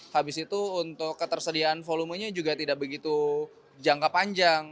habis itu untuk ketersediaan volumenya juga tidak begitu jangka panjang